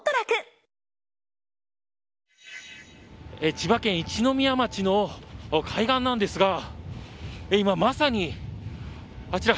千葉県一宮町の海岸なんですが今、まさに、あちら。